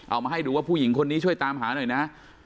เอามาให้ดูว่าผู้หญิงคนนี้ช่วยตามหาหน่อยนะ